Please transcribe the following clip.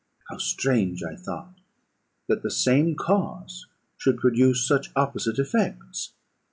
How strange, I thought, that the same cause should produce such opposite effects!